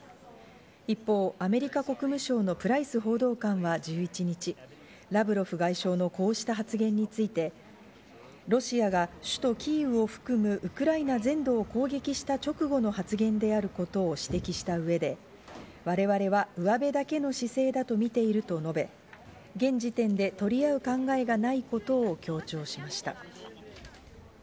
一方、アメリカ国務省のプライス報道官は１１日、ラブロフ外相のこうした発言についてロシアが首都キーウを含むウクライナ全土を攻撃した直後の発言であることを指摘した上で、我々はうわべだけの姿勢だとみていると述べ、現時点で取り合う考えがないことを強調しました。